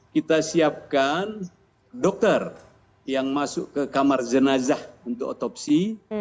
kita siapkan dokter yang masuk ke kamar jenazah untuk otopsi